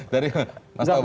dari mas indram